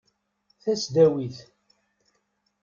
Tasdawit.